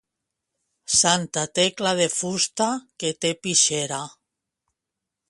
Santa Tecla de fusta que té pixera!